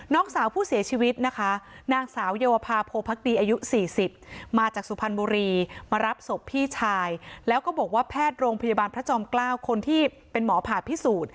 นองสาวผู้เสียชีวิตนะคะนางสาวเยวภาพโพภภาคดีอายุ๔๐